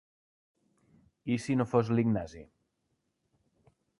I si no fos l'Ignasi?